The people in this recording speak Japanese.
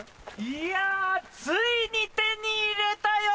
いやついに手に入れたよ